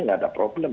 tidak ada problem